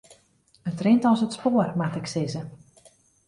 It rint as it spoar moat ik sizze.